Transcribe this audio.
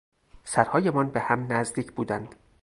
سرهایمان به هم نزدیک بودند.